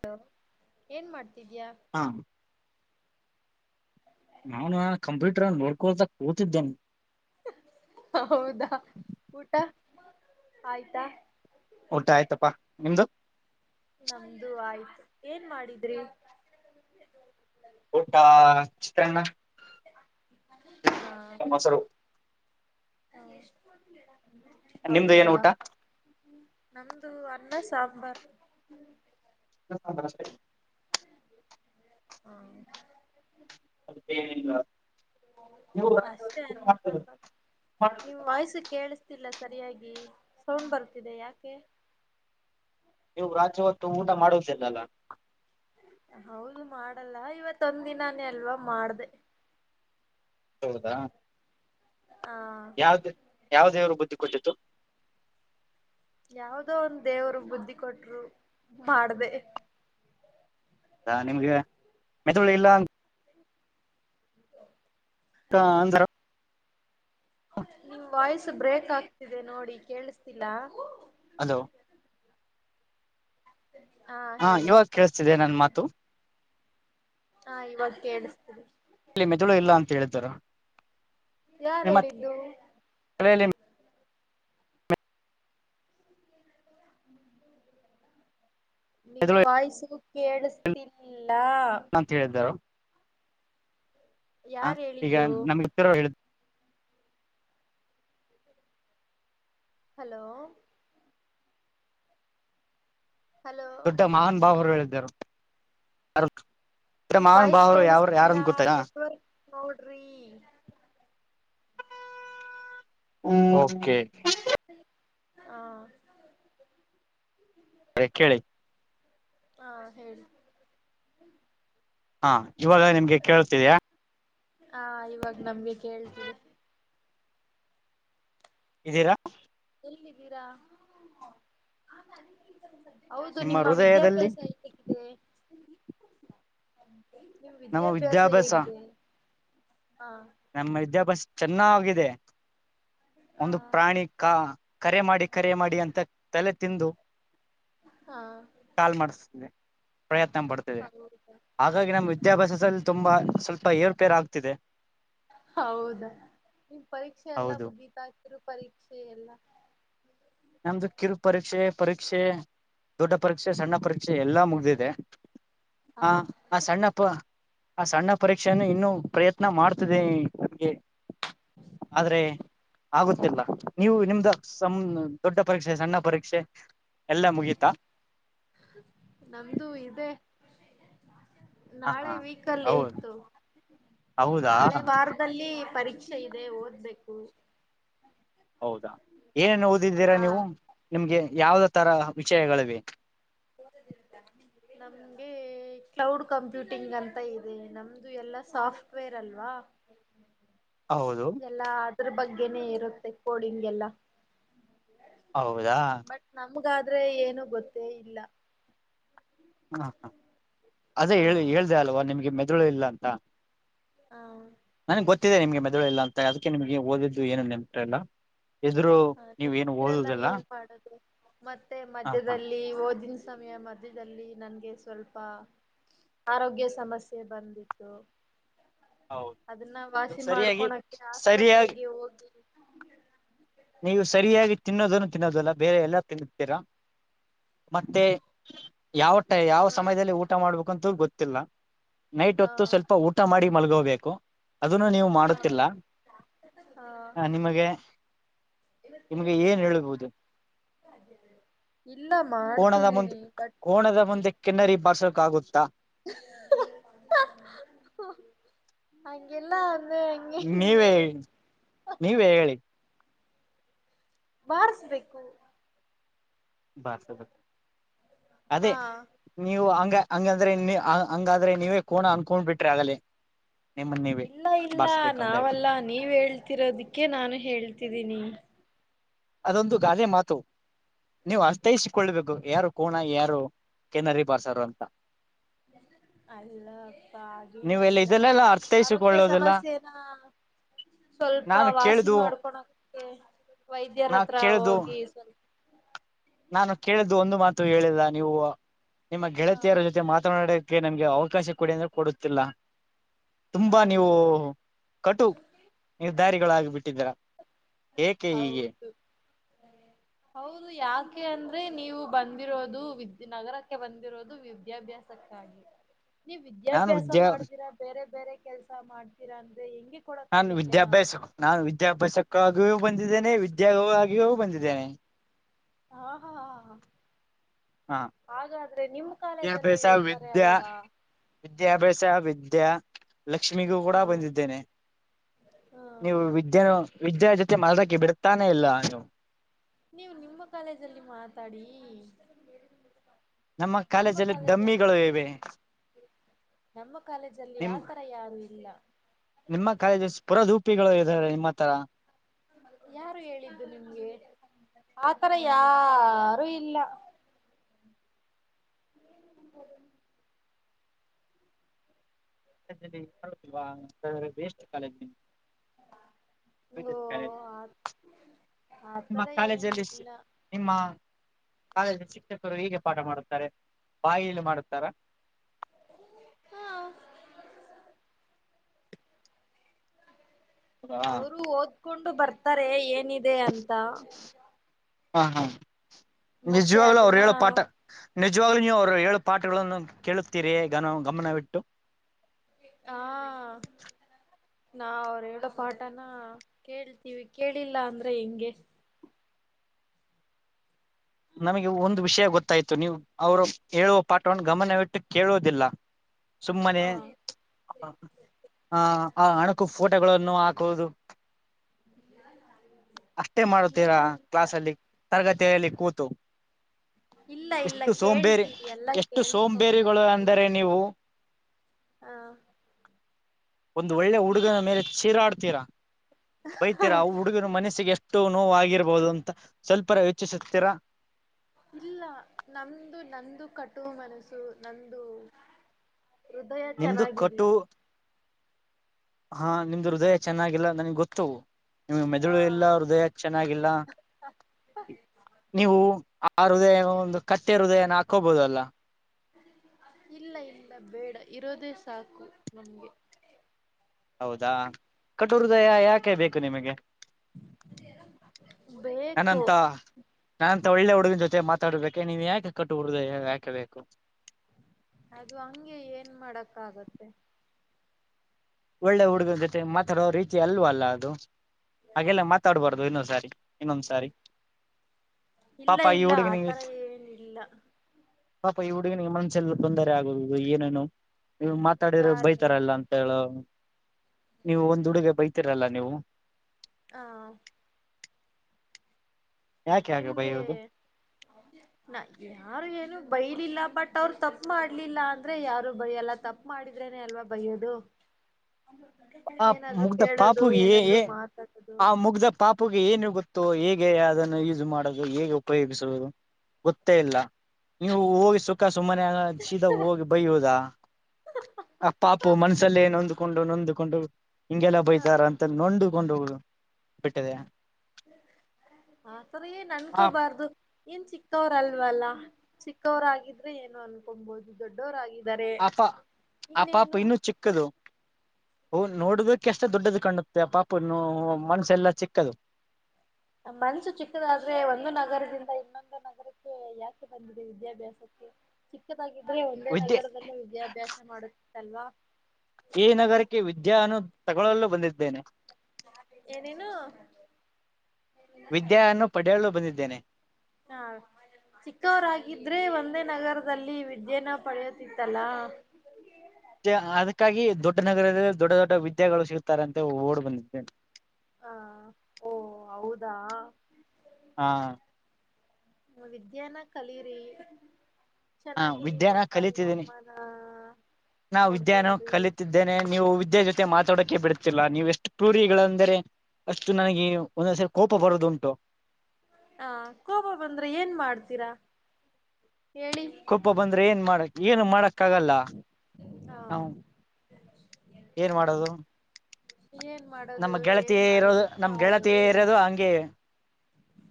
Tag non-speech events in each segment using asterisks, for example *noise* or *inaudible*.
Hello ಏನ್ ಮಾಡ್ತಿದ್ಯಾ. ಹಾ *unintelligible* ಕಂಪ್ಯೂಟರನ್ ನಡ್ಕೋತ ಕೂತಿದ್ದೇನು. ಹೌದಾ ಊಟ ಆಯ್ತಾ. ಊಟ ಆಯ್ತಪ್ಪಾ ನಿಮ್ದು. ನಮ್ದು ಆಯ್ತು ಏನ್ ಮಾಡಿದ್ರಿ. ಊಟಾ ಚಿತ್ರಾನ್ನ. ಆ ಆ. ಮೊಸರು ನಿಮ್ದು ಏನ್ ಹೌದಾ ಊಟ ನಮ್ದು ಅನ್ನ, ಸಾಂಬಾರ್. *unintelligible* ಆ ಮತ್ತೇನಿಲ್ಲ ಹು ಅಷ್ಟೇ ಅನ್ನ, ಸಾಂಬಾರ್ ನೀವ್ ಮಾಡ್ತಿರಲ್ಲ. ವಾಯ್ಸು ಕೇಳಸ್ ತ್ತಿಲ್ಲ ಸರಿಯಾಗಿ ಸೌಂಡ್ ಬರ್ತಿದೆ ಯಾಕೆ. ನೀವು ರಾಚೆ ಹೊತ್ತು ಊಟ ಮಾಡೋದಿಲ್ಲ ಅಲ್ಲಾ. ಹೌದು ಮಾಡಲ್ಲ ಇವತ್ತೊಂದ್ ದಿನಾನೇ ಅಲ್ವಾ ಮಾಡ್ದೆ. ಹೌದಾ ಆ *unintelligible* ಯಾವ ದೇವ್ರು ಬುದ್ಧಿ ಕೊಟ್ಟಿತು. ಯಾವದೋ ಒಂದು ದೇವರು ಬುದ್ಧಿ ಕೊಟ್ರು ಮಾಡ್ದೆ. ಅದಾ ನಿಮ್ಗ ಮೆದುಳು ಇಲ್ಲ ಅ *unintelligible* ಅಂದ್ರ ನಿಮ್ಮ ವಾಯ್ಸ್ ಬ್ರೇಕ್ ಆಗ್ತಿದೆ ನೋಡಿ ಕೇಳಿಸ್ತಿಲ್ಲ. ಹಲೋ ಹಾ ಇವಾಗ ಕೇಳಿಸ್ತಿದೆ ನನ್ನ್ ಮಾತು. ಹಾ ಇವಾಗ ಕೇಳಸ್ತಿದೆ. ಇಲ್ಲಿ ಮೆದುಳು ಇಲ್ಲ ಅಂತ ಹೇಳ್ತಾರ. ಯಾರ್ ಹೇಳಿದ್ದು. *unintelligible* ನಿಮ್ಮ್ ಮೆದುಳು ವಾಯ್ಸು ಕೇಳಸ್ತಿಲ್ಲಾ. ಅಂತ್ ಹೇಳಿದ್ದರು. ಆ ಯಾರ್ ಈಗ ಹೇಳಿದ್ರು ನಮ್ಮ್ *unintelligible* ಹಲೋ ಹಲೋ ದೊಡ್ಡ ಮಹಾನ್ ಬಾವರು ಹೇಳಿದ್ದರು *unintelligible* ನಿಮ್ಮ್ ಮಾವನ್ ವಾಯ್ಸ್ ಭಾವರು ಯಾವ್ರ ಯಾರಂದ ಕೇಳಿಸ್ತಿಲ್ಲಾ ಗೊತ್ತಾ ನೆಟ್ವರ್ಕ್ ನೋಡ್ರಿ. ಓಕೆ ಆ *unintelligible* ಕೇಳಿ. ಆ ಹೇಳಿ. ಆ ಇವಾಗ ನಿಮ್ಗೆ ಕೇಳ್ತಿದೆಯಾ. ಹಾ ಇವಾಗ ನಮ್ಗೆ ಕೇಳ್ತಿದೆ. ಇದ್ದೀರಾ ಎಲ್ಲಿದ್ದೀರಾ ಹೌದು ನಿಮ್ಮ ವಿದ್ಯಾಭ್ಯಾಸ ಹೇಗಿದೆ. ನಿಮ್ ವಿದ್ಯಾಭ್ಯಾಸ ಹೇಗಿದೆ ಹಾ. ನಮ್ಮ ವಿದ್ಯಾಭ್ಯಾಸ ಚೆನ್ನಾಗಿದೆ ಹಾ ಒಂದು ಪ್ರಾಣಿ ‌. ಕಾ ಕರೆ ಮಾಡಿ ಕರೆ ಮಾಡಿ ಅಂತ ತಲೆ ತಿಂದು. ಹಾ. ಕಾಲ್ ಮಾಡ್ಸತಿನಿ ಪ್ರಯತ್ನ ಪಡ್ *inaudible* ಹಾಗಾಗಿ ನಮ್ ವಿದ್ಯಾಭ್ಯಾಸದಲ್ಲಿ ತುಂಬಾ ಸ್ವಲ್ಪ ಏರಪೇರ ಆಗ್ತಿದೆ. ಹೌದಾ ನಿಮ್ ಪರೀಕ್ಷೆ ಎಲ್ಲಾ ಹೌದು ಮುಗೀತಾ ಕಿರು ಪರೀಕ್ಷೆ ಎಲ್ಲಾ. ನಮ್ದು ಕಿರು ಪರೀಕ್ಷೆ ಪರೀಕ್ಷೆ ದೊಡ್ಡ ಪರೀಕ್ಷೆ ಸಣ್ಣ ಪರೀಕ್ಷೆ ಎಲ್ಲಾ ಮುಗ್ದಿದೆ. ಹಾ. ಆ ಸಣ್ಣ ಪ ಆ ಸಣ್ಣ ಪರೀಕ್ಷೆಯನ್ನು ಇನ್ನು ಪ್ರಯತ್ನ ಮಾಡ್ತಿದೆ ನಮ್ಗೆ. ಆದ್ರೆ ಆಗುತ್ತಿಲ್ಲ ನೀವು ನಿಮ್ದ ಸಂ ದೊಡ್ಡ ಪರೀಕ್ಷೆ ಸಣ್ಣ ಪರೀಕ್ಷೆ ಎಲ್ಲ ಮುಗೀತಾ. ನಮ್ದು ಇದೆ. ಹ ನಾಳೆ ಹಾ ವೀಕಲ್ಲಿ ಹೌದು ಇತ್ತು ಹೌದಾ ನಾಳೆ ವಾರದ. ದಲ್ಲಿ ಪರೀಕ್ಷೆ ಇದೆ ಓದ್ಬೇಕು. ಹೌದಾ ಏನೇನು ಓದಿದ್ದೀರಾ ಆ ನೀವು ನಿಮ್ಗೆ ಯಾವ್ದತರ ವಿಷಯಗಳಿವೆ. ನಮ್ಗೆ ಕ್ಲೌಡ್ ಕಂಪ್ಯೂಟಿಂಗ್ ಅಂತ ಇದೆ ನಮದ. ಇದು ಎಲ್ಲಾ ಸಾಫ್ಟವೇರ್ ಅಲ್ವಾ. ಹೌದು. ಎಲ್ಲ ಅದ್ರ ಬಗ್ಗೆನೆೇ ಇರುತ್ತೆ ಕೋಡಿಂಗೆಲ್ಲ. ಹೌದಾ. ಬಟ್ ನಮಗಾದ್ರೆ ಏನು ಗೊತ್ತೇ ಇಲ್ಲ. ಹಾ ಹಾ ಅದೇ ಹ ಹೇಳಿ ಹೇಳ್ದ ಅಲ್ವಾ ನಿಮ್ಗೆ ಮೆದುಳು ಇಲ್ಲ ಅಂತ. ಹಾ. ನಂಗೆ ಗೊತ್ತಿದೆ ನಿಮ್ಗೆ ಮೆದುಳಿಲ್ಲ ಅಂತ ಅದಕ್ಕೆ ನಿಮಗೆ ಓದಿದ್ದು ಏನು ನೆನಪ ಇರ ಲ್ಲ. ಹಾ ನೆನಪಿರಲ್ಲ ಏನ್ ಮಾಡದು ಮತ್ತೆ ಹ ಹಾ ಮಧ್ಯದಲ್ಲಿ. ಇಲ್ಲಿ ಓದಿನ ಸಮಯ ಮಧ್ಯದಲ್ಲಿ ನಂಗೆ ಸ್ವಲ್ಪ. ಆರೋಗ್ಯ ಸಮಸ್ಯೆ ಬಂದಿತ್ತು. ಹೌದು ಅದನ್ನ ನೀವು ವಾಸಿ ಸರಿಯಾಗಿ ಮಾಡ್ಕೊಣಕೆ ಸರಿಯಾಗಿ ಆಸ್ಪತ್ರೆಗೆ ಹೋಗಿ. ನೀವು ಸರಿಯಾಗಿ ತಿನ್ನೋದನ್ನು ತಿನ್ನೋದಲ್ಲ ಬೇರೆ ಎಲ್ಲ ತಿನ್ನುತ್ತೀರಾ ಮತ್ತೆ. ಯಾವ ಟೈ ಯಾವ ಹ ಸಮಯದಲ್ಲಿ ಊಟ ಮಾಡ್ಬೇಕಂತು ಗೊತ್ತಿಲ್ಲ ನೈಟ್ ಹಾ ಹೊತ್ತು ಸ್ವಲ್ಪ ಊಟ. ಮಾಡಿ ಮಲ್ಗೋಬೇಕು ಅದನ್ನು ನೀವು ಹಾ ಮಾಡುತ್ತಿಲ್ಲ ಹಾ ಆ ನಿಮಗೆ. ನಿಮ್ಗೆ ಏನ್ ಹೇಳ್ಬಹುದು. ಇಲ್ಲ ಕೋಣದ ಮುಂದೆ ಮಾಡ್ತಿದಿನಿ ಬಟ್. ಕೋಣದ ಮುಂದೆ ಕೀನ್ನರಿ ಬಾರ್ಸೋಕಾಗುತ್ತಾ. *unintelligible* ಅಂಗಲ್ಲಾ ಅಂದ. ಅಂಗೆ ನೀವೇ ನೀವು. ಹೇಳಿ, ನೀವೇ ಹೇಳಿ ಬಾರಿಸಬೇಕು. ಭಾರತದ ಅದೇ. ಹಾ ನೀವು ಹಂಗ ಹಂಗಂದ್ರೆ ನೀ ಹಂಗಾದ್ರೆ ನೀವೇ ಕೋಣ ಅನ್ಕೊಂಡ್ ಬಿಟ್ರಿ ಆಗಲೆ. ಇಲ್ಲ ಇಲ್ಲ ನಾವಲ್ಲಾ ನೀವ್ ಹೇಳ್ತಿರೋದಿಕ್ಕೆ ನಾನು ಹೇಳ್ತಿದ್ದೀನಿ. ಅದೊಂದು ಗಾದೆ ಮಾತು. ನೀವು ಅರ್ಥೈಸಿಕೊಳ್ಳಬೇಕು ಯಾರು ಕೋಣ ಯಾರು ಕೆನರಿ ಬಾರ್ಸರು ಅಂತ. ಅಲ್ಲ ಅಪ್ಪ ಅದು ಏನು ನೀವೆಲ್ಲ ಇಲ್ಲ. ಇದೆಲ್ಲೆಲ್ಲ ಆರೋಗ್ಯ ಅರ್ಥೈಸಿಕೊಳ್ಳೋದಿಲ್ಲ ಸಮಸ್ಯೆನ ಸ್ವಲ್ಪ ನಾನು ವಾಸಿ ಕೇಳ್ದು ಮಾಡ್ಕೊಣಕ್ ಗೆ ವೈದ್ಯರ್ ನಾ ಹತ್ರ ಕೇಳ್ದು ಹೋಗಿ ಸ್ವಲ್ಪ ನಾನು ಕೇಳಿದ್ದು ಒಂದು ಮಾತು ಹೇಳಿಲ್ಲ ನೀವು ನಿಮ್ಮ ಗೆಳತಿಯರ ಜೊತೆ ಮಾತನಾಡ ಕ್ಕೆ ನಮ್ಗೆ ಅವಕಾಶ ಕೊಡಿ ಅಂದ್ರೆ ಕೊಡುತ್ತಿಲ್ಲ ಆ ತುಂಬಾ ನೀವು ಕಟು ನಿರ್ಧಾರಿಗಳಾಗಿಬಿಟ್ಟಿದ್ದೀರ. ಹೌದು. *inaudible* ಹೌದು ಯಾಕೆ ಅಂದ್ರೆ ನೀವು ಬಂದಿರೋದು ವಿದ್ಯ್ ನಗರಕ್ಕೆ ಬಂದಿರೋದು ವಿದ್ಯಾಭ್ಯಾಸಕ್ಕೆ. ಕ್ಕಾಗಿ ನೀವ್ ನಾನು ವಿದ್ಯಾಭ್ಯಾಸ ವಿದ್ಯಾ ಮಾಡ್ದಿರಾ ಬೇರೆ ಬೇರೆ ಕೆಲ್ಸ ಮಾಡ್ತೀರಾ ಅಂದ್ರೆ ಹೆಂಗೆ. ಕೊಡಕ್ ನಾನು ಆಗತ್ತೆ ನಾವು ವಿದ್ಯಾಭ್ಯಾಸ ನಾನು ವಿದ್ಯಾಭ್ಯಾಸಕ್ಕಾಗಿಯೂ ಬಂದಿದ್ದೇನೆ ವಿದ್ಯಾಗವಾಗಿಯೂ ಬಂದಿದ್ದೇನೆ. ಹಾ ಹಾ ಹಾ ಹಾ ಹಾಗಾದ್ರೆ ನಿಮ್ ಕಾಲೇಜಲ್ಲೇ ವಿದ್ಯಾಭ್ಯಾಸ ಇರ್ತಾರೆ ವಿದ್ಯಾ ಅಲ್ವಾ. ವಿದ್ಯಾಭ್ಯಾಸ ವಿದ್ಯಾ ಲಕ್ಷ್ಮಿಗೂ ಕೂಡ ಹ ಬಂದಿದ್ದೇನೆ ಹ ನೀವು ವಿದ್ಯಾ ವಿದ್ಯ ಜೊತೆ ಮಾಲ್ರಕ್ಕೆ ಬಿಡ್ತಾನೆ ಇಲ್ಲ ನೀನು. ನೀವು ನಿಮ್ಮ ಕಾಲೇಜಲ್ಲಿ ಮಾತಾಡಿ. ನಮ್ಮ ಕಾಲೇಜಲ್ಲಿ ದಮ್ಮಿಗಳು ಇವೆ. ನಮ್ಮ ಕಾಲೇಜಲ್ಲಿ ನಿಮ್ ಆ ತರ ಯಾರು ಇಲ್ಲ. ನಿಮ್ಮ ಕಾಲೇಜಲ್ ಸ್ಪುರದೂಪಿಗಳು ಇದಾರೆ ನಿಮ್ಮತ್ರ. ಯಾರು ಹೇಳಿದ್ದು ನಿಮ್ಗೆ ಆತರ ಯಾರು ಇಲ್ಲ. *inaudible* *unintelligible* Best college. ಓ *inaudible* ನಿಮ್ಮ ಆತರ ಏನು ಕಾಲೇಜಲ್ಲಿ ಇಲ್ಲ ನಿಮ್ಮ ಕಾಲೇಜು ಶಿಕ್ಷಕರು ಹೀಗೆ ಪಾಠ ಮಾಡುತ್ತಾರೆ ಬಾಯಲಿ ಮಾಡುತ್ತಾರಾ. ಹ ಅವರು ಓದ್ಕೊಂಡು ಬರ್ತಾರೆ ಏನಿದೆ ಅಂತ. ಹಾ ಹಾ ಮತ್ತೆ ನಿಜವಾಗಲೂ ಅವ್ರು ಅದನ್ನ ಹೇಳೋ ಪಾಠ ನಿಜವಾಗ್ಲು ನೀವು ಅವ್ರು ಹೇಳೊ ಪಾಠಗಳನ್ನು ಕೇಳುತ್ತೀರಿಯೆ ಗನ ಗಮನವಿಟ್ಟು. ಹಾ ನಾ ಅವ್ರು ಹೇಳೋ ಪಾಠನ ಕೇಳ್ತೀವಿ ಕೇಳಿಲ್ಲ ಅಂದ್ರೆ ಹೆಂಗೆ. ನಮಗೆ ಒಂದು ವಿಷಯ ಗೊತ್ತಾಯ್ತು ನೀವು ಅವರು ಹೇಳುವ ಪಾಠವನ್ನು ಗಮನವಿಟ್ಟು ಕೇಳುವುದಿಲ್ಲ. ಸುಮ್ಮನೆ ಹ ಆ ಆ ಅಣಕು ಫೋಟೋಗಳನ್ನು ಹಾಕುವುದು. ಅಷ್ಟೇ ಮಾಡತೀರಾ ಇಲ್ಲ ಇಲ್ಲ ಕ್ಲಾಸಲ್ಲಿ ತರಗತಿಯಲ್ಲಿ ಕೂತ್ ತು ಇಲ್ಲ ಇಲ್ಲ ಎಷ್ಟು ಸೋಂಬೇರಿ ಕೇಳ್ತೀವಿ ಎಲ್ಲಾ ಎಷ್ಟು ಕೇಳ್ಸ್ಕೊಂಡ್ ಸೋಂಬೇರಿಗಳು ಅಂದರೆ ನೀವು ಹಾ ಒಂದು ಒಳ್ಳೆ ಹುಡುಗನ ಮೇಲೆ ಚೀರಾಡ್ತೀರಾ ಹ ಬೈತೀರಾ ಅವು ಹುಡುಗರು ಮನಸ್ಸಿಗೆ ಎಷ್ಟು ನೋವುಗಿರಬಹುದು ಅಂತ ಸ್ವಲ್ಪ ಯೋಚಿಸುತ್ತೀರಾ. ಇಲ್ಲ ನಮ್ದು ನಂದು ಕಟು ಮನಸು ನಂದು ಹೃದಯ ನಿಮ್ದು ಚೆನ್ನಾಗಿಲ್ಲ. ಕಟು ಹಾ ನಿಮ್ದು ಹೃದಯ ಚೆನ್ನಾಗಿಲ್ಲ ನನ್ಗೆ ಗೊತ್ತು ನಿಮ್ಮ ಆ ಮೆದುಳು ಇಲ್ಲ ಹೃದಯ ಚೆನ್ನಾಗಿಲ್ಲ. ನೀವು ಆ ಹೃದಯ ಒಂದು ಕತ್ತೆ ಹೃದಯನ ಹಾಕೋಬೋದಲ್ಲ. ಇಲ್ಲ ಇಲ್ಲ ಬೇಡ ಇರೋದೇ ಸಾಕು ನಮ್ಗೆ. ಹೌದಾ ಕಟು ಹೃದಯ ಯಾಕೆ ಬೇಕು ನಿಮಗೆ? ಬೇಕು ಅನಂತ. ನಾನ್ಂತ ಒಳ್ಳೆ ಹುಡುಗನ್ ಜೊತೆ ಮಾತಾಡ್ಬೇಕೆ ನೀವ್ ಯಾಕೆ ಕಟ್ಟು ಹೃದಯ ಯಾಕೆ ಬೇಕು. ಅದು ಹಂಗೆ ಏನ್ ಮಾಡಕ್ಕ ಆಗತ್ತೆ. ಒಳ್ಳೆ ಹುಡುಗನ ಜೊತೆ ಮಾತಾಡುವ ರೀತಿ ಅಲ್ವ ಅಲ್ಲ ಅದು ಹಾಗೆಲ್ಲ ಮಾತಾಡಬಾರ್ದ ಇನ್ನೊಂದ್ಸಾರಿ. ಇನ್ನೊಂದ ಸಾರಿ ಇಲ್ಲ ಪಾಪ ಈ ಇಲ್ಲ ಹುಡುಗನ ಆತರ ಏನಿಲ್ಲ ಪಾಪಾ ಈ ಹುಡುಗ ನಿಮ್ಮ ಮನ್ಸಲ್ಲಿ ಬಂದರೆ ಆಗೋದು ಏನೇನು ನೀವ್ ಮಾತಾಡಿದ್ರೆ ಯಾರಿಗೆ ಬೈತಾರಲ್ಲ ಅಂ ಕೇಳೋ. ನೀವು ಒಂದ್ ಹುಡುಗ ಬೈತಿರಲ್ಲ ನೀವು. ಹಾ. ಯಾಕೆ ಹಾಗೆ ನಿಮ್ಗೆ ಬೈಯೋದು ನ ಯಾರು ಏನು ಬೈಲಿಲ್ಲ ಬಟ್ ಅವ್ರು ತಪ್ಪ ಮಾಡ್ಲಿಲ್ಲ ಅಂದ್ರೆ ಯಾರು ಬೈಯಲ್ಲ ತಪ್ಪ ಮಾಡಿದ್ರೇನೆ ಅಲ್ವಾ ಬೈಯೋದು. ಆ ಏನಾದ್ರು ಮುಗಧ ಕೇಳೋದು ಪಾಪೂ ಹೇ ಹೇ ಏನಾದ್ರು ಮಾತಾಡೋದು ಆ ಮುಗ್ಧ ಪಾಪಗೆ ಏನು ಗೊತ್ತು ಹೇಗೆ ಅದನ್ನು ಯೂಸ್ ಮಾಡೋದು ಹೇಗೆ ಉಪಯೋಗಿಸುದು. ಗೊತ್ತೇ ಇಲ್ಲ ನೀವು ಹೋಗಿ ಸು ಪಕ್ಕ ಸುಮ್ಮನೆ ಸೀದ ಹೋಗಿ ಬಯ್ಯುದ ಆ ಪಾಪು ಮನ್ಸಲ್ಲಿ ಏನೊಂದು ಕೊಂಡು ನೊಂದಕೊಂಡು ಹಿಂಗೆಲ್ಲ ಹ ಬಯತಾರ ಅಂತ ನೊದ್ಕೊಂಡು ಬಿಟ್ಟಿದೆ. ಆ ತರಾ ಏನ್ ಆ ಅನ್ಕೋಬಾರ್ದು. ಏನ್ ಚಿಕ್ಕವರಲ್ವಲ್ಲ ಚಿಕ್ಕವರಾಗಿದ್ರೆ ಏನು ಅನ್ಕೊಬಹುದು. ದೊಡ್ಡವರಾಗಿದ್ದಾರೆ ಇನ್ನೇನು. ಕದು. ಹ ನೋಡೋದಕ್ಕೆ ಅಷ್ಟ ದೊಡ್ಡದು ಕಂಡುತ್ತೆ ಪಾಪ ಮನ್ಸ ಎಲ್ಲಾ ಚಿಕ್ಕದು. ನಮ್ಮ್ ಮನ್ಸು ಚಿಕ್ಕದಾದ್ರೆ ಒಂದು ನಗರದಿಂದ ಇನ್ನೊಂದು ನಗರಕ್ಕೆ ಯಾಕೆ ಬಂದಿದೆ ವಿದ್ಯಾಭ್ಯಾಸಕ್ಕೆ, ಚಿಕ್ಕದಾಗಿದ್ರೆ ಒಂದೇ ವಿದ್ಯೆ ನಗರದಲ್ಲ ವಿದ್ಯಾಭ್ಯಾಸ ಮಾಡುತಿತ್ತಲ್ವಾ. ಈ ನಗರಕ್ಕೆ ವಿದ್ಯ ಅನ್ನು ತಗೊಳ್ಳಲು ಬಂದಿದ್ದೇನೆ. ಏನ ಏನು. ವಿದ್ಯಾ ಅನ್ನು ಪಡೆಯಲು ಬಂದಿದ್ದೇನೆ. ಹಾ. ಚಿಕ್ಕವರಾಗಿದ್ರೆ ಒಂದೇ ನಗರದಲ್ಲಿ ವಿದ್ಯೆನ ಪಡೆಯತಿತ್ತಲ್ಲಾ. ಮ ಅದಕ್ಕಾಗಿ ದೊಡ್ಡ ನಗರದಲ್ಲಿ ದೊಡ್ಡ ದೊಡ್ಡ ವಿದ್ಯಾಗಳು ಸಿಗ್ತಾರೆ ಅಂತ ಓಡ್ ಬಂದಿದ್ದೆನೆ. ಹಾ ಓ ಹೌದಾ. ಹಾ. ವಿದ್ಯಾನ ಕಲೀರಿ. ಹಾ ಚೆನ್ನಾಗಿ ವಿದ್ಯಾನ ನಿಮ್ಮಪ್ಪ ಕಲಿತಿದ್ದೀನಿ ನಿಮ್ಮಮ್ಮನ ನೋಡ್ಕೊಂಡ್ರಿ. ಇದೇನೆ ನೀವು ವಿದ್ಯೆ ಜೊತೆ ಮಾತಾಡಕ್ಕೆೆ ಬಿಡ್ತಿಲ್ಲ ನೀವು ಎಷ್ಟು ಕ್ರೂರಿಗಳೆಂದ್ರರೆ. ಅಷ್ಟು ನನಗೆ ಒಂದೊಂದ್ಸರಿ ಕೋಪ ಬರೋದು ಉಂಟು. ಹಾ ಕೋಪ ಬಂದ್ರೆ ಏನ್ ಮಾಡ್ತೀರಾ ಹೇಳಿ. ಕೊಪ್ಪ ಬಂದ್ರೆ ಏನ್ ಮಾಡಕ್ ಏನು ಮಾಡಕ್ಕ ಆಗಲ್ಲ ಹಾ ನಾವು ಏನ್ ಮಾಡೋದು. ಏನ್ ನಮ್ ಮಾಡೋದು ಗೆಳತ ಏನ್ ಇರೋದು ಮಾಡೋದಿಕ್ಕೂ ನಮ್ ಗೆಳತಿಯ ಆಗೋದೇ ಇಲ್ಲ ಇರೋದು ಹಂಗೆ.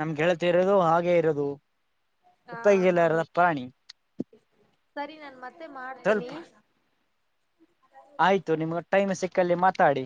ನಮ್ ಗೆಳತಿ ಇರೋದು ಹಾಗೆ ಇರೋದು ಹಾ ಉಪ್ಪೋಗಿಲ್ಲರದ ಹೌದು ಪ್ರಾಣಿ. ಸರಿ ನಾನ್ ಮತ್ತೆ ಸ್ವಲ್ಪ ಮಾಡ್ತೀನಿ. ಆಯ್ತು ನಿಮ್ಗೆ ಟೈಮ್ ಸಿಕ್ಕಲ್ಲಿ ಮಾತಾಡಿ.